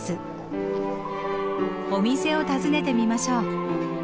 お店を訪ねてみましょう。